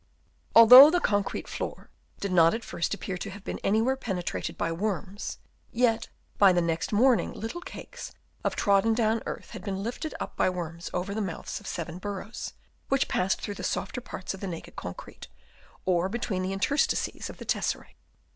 Although the concrete floor did not at first appear to have been anywhere pene trated by worms, yet by the next morning little cakes of the trodden down earth had been lifted up by worms over the mouths of seven burrows, which passed through the softer parts of the naked concrete, or between the interstices of the tesserse.